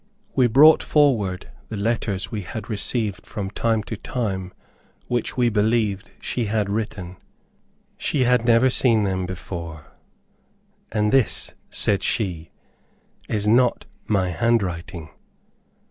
We brought forward the letters we had received from time to time which we believed she had written. She had never seen them, before, "and this," said she, "is not my hand writing."